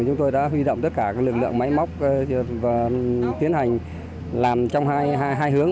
chúng tôi đã huy động tất cả các lực lượng máy móc và tiến hành làm trong hai hướng